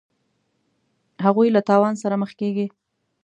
هغوی له تاوان سره مخ کیږي.